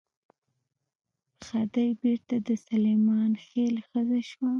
خدۍ بېرته د سلیمان خېل ښځه شوه.